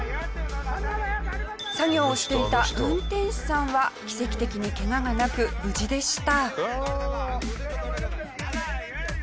作業をしていた運転手さんは奇跡的にケガがなく無事でした。